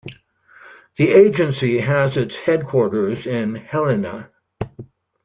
The agency has its headquarters in Helena.